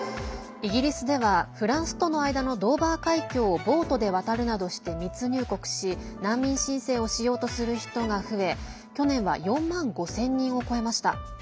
イギリスではフランスとの間のドーバー海峡をボートで渡るなどして密入国し難民申請をしようとする人が増え去年は４万５０００人を超えました。